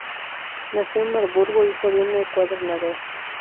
Nació en Marburgo, hijo de un encuadernador.